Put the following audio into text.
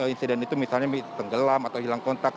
insiden itu misalnya tenggelam atau hilang kontak